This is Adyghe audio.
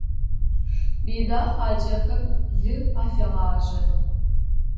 Мина хьакӏэхэм лы афегъажъэ.